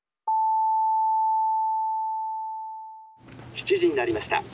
「７時になりました。